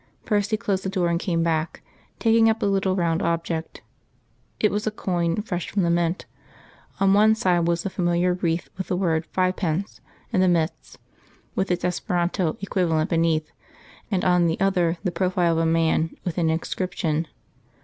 Percy closed the door and came back, taking up the little round object. It was a coin, fresh from the mint. On one side was the familiar wreath with the word "fivepence" in the midst, with its Esperanto equivalent beneath, and on the other the profile of a man, with an inscription.